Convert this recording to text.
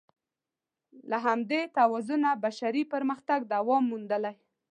له همدې توازنه بشري پرمختګ دوام موندلی.